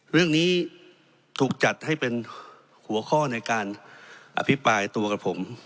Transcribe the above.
เรื่องนี้ถูกจัดให้เป็นหัวข้อในการอภิปรายตัวกับผม